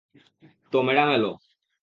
তো ম্যাডাম এলো।